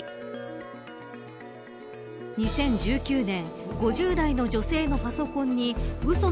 ２０１９年５０代の女性のパソコンにう